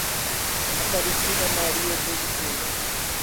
Aparecida Maria de Oliveira